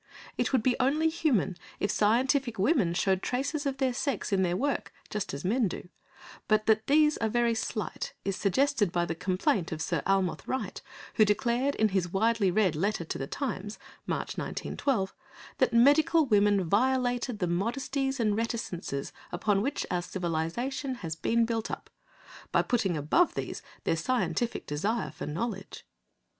It would be only human if scientific women showed traces of their sex in their work, just as men do, but that these are very slight is suggested by the complaint of Sir Almroth Wright, who declared, in his widely read letter to The Times (March 1912), that medical women violated the "modesties and reticences upon which our civilisation has been built up," by putting above these their scientific "desire for knowledge."